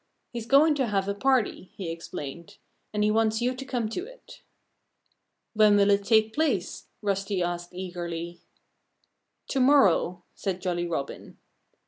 "He's going to have a party," he explained. "And he wants you to come to it." "When will it take place?" Rusty asked eagerly. "To morrow!" said Jolly Robin.